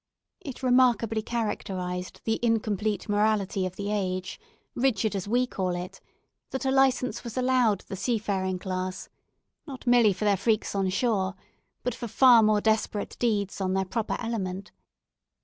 It remarkably characterised the incomplete morality of the age, rigid as we call it, that a licence was allowed the seafaring class, not merely for their freaks on shore, but for far more desperate deeds on their proper element.